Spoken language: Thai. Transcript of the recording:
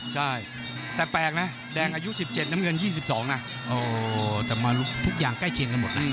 จะมารุกทุกตัวใกล้เคียงกันหมด